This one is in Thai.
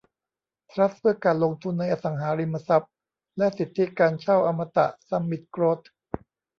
ทรัสต์เพื่อการลงทุนในอสังหาริมทรัพย์และสิทธิการเช่าอมตะซัมมิทโกรท